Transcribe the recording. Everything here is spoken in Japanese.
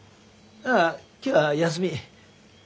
ああ今日は休み。